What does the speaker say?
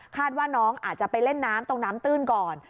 ว่าน้องอาจจะไปเล่นน้ำตรงน้ำตื้นก่อน